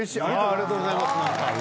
ありがとうございます。